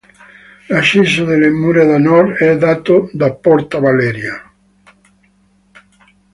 L'accesso delle mura da nord è dato da Porta Valeria.